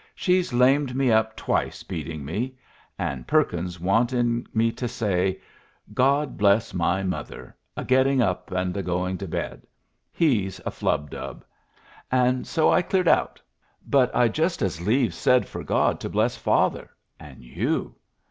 She's lamed me up twice beating me an' Perkins wanting me to say 'God bless my mother!' a getting up and a going to bed he's a flubdub! An' so I cleared out. But I'd just as leaves said for God to bless father an' you.